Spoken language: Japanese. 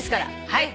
はい。